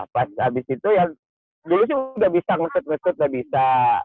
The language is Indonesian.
pas abis itu ya dulu sih udah bisa ngetut ngetut udah bisa